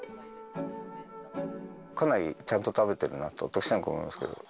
かなりちゃんと食べてるなと、私なんか思いますけど。